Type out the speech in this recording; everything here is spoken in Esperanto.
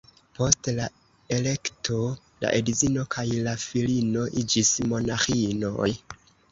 Post la elekto la edzino kaj la filino iĝis monaĥinoj.